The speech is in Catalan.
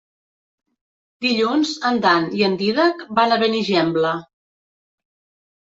Dilluns en Dan i en Dídac van a Benigembla.